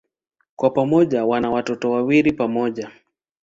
Kwa pamoja wana watoto wawili pamoja.